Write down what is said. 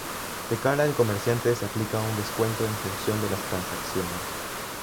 De cara al comerciante se aplica un descuento en función de las transacciones.